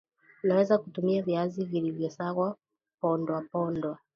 unaweza kutumia Viazi vilivyosagwa pondwa pondwa